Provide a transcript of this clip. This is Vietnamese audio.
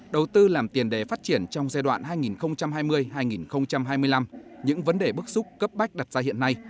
đầu tư làm tiền đề phát triển trong giai đoạn hai nghìn hai mươi hai nghìn hai mươi năm những vấn đề bức xúc cấp bách đặt ra hiện nay